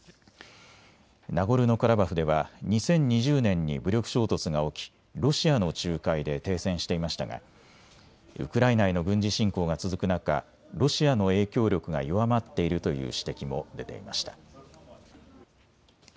ナゴルノカラバフでは２０２０年に武力衝突が起きロシアの仲介で停戦していましたがウクライナへの軍事侵攻が続く中、ロシアの影響力が弱まっているという指摘も出ていました。